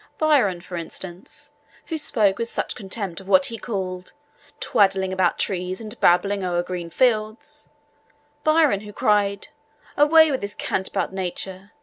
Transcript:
Byron, for instance, who spoke with such contempt of what he called 'twaddling about trees and babbling o' green fields'; Byron who cried, 'Away with this cant about nature!